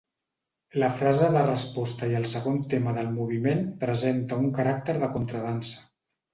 La frase de resposta i el segon tema del moviment presenta un caràcter de contradansa.